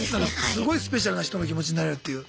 すごいスペシャルな人の気持ちになれるっていう。